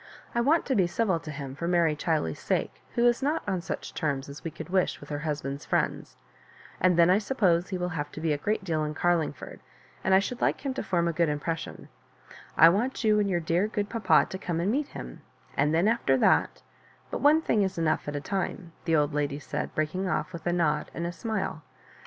I want to be civil to him for Mary Chiley's sake, who is not on such terms as we oould wish with her husband's friends; and then I suppose he will have to be a great deal in Car iingford, and I should like him to form a good im pressioa I want you and your dear g^ papa to come and meet him ; and then after that^but one thing is enough at a time," the old lady said, breaking off with a nod and a smile.